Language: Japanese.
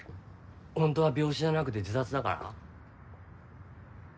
ほんとは病死じゃなくて自殺だから？